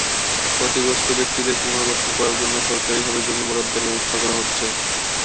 ক্ষতিগ্রস্ত ব্যক্তিদের পুনর্বাসন করার জন্য সরকারিভাবে জমি বরাদ্দের ব্যবস্থা করা হচ্ছে।